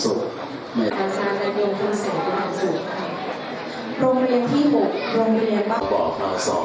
สู่ชีวิตอยู่ในสังคมได้จากประติศุกร์